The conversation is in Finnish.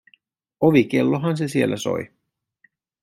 Ovikellohan se siellä soi.